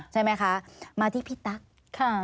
ใช่ไหมคะมาที่พี่ตั๊ก